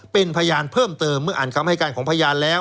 เป็นพยานเพิ่มเติมเมื่ออ่านคำให้การของพยานแล้ว